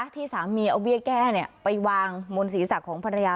ที่สามีเอาเบี้ยแก้ไปวางบนศีรษะของภรรยา